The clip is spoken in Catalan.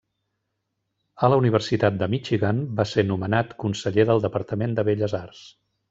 A la Universitat de Michigan va ser nomenat conseller del departament de belles arts.